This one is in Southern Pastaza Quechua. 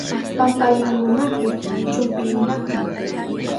Pampalinkunapi chumpilinahun.